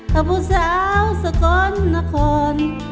ข้าผู้สาวสะก้อนหน้าคน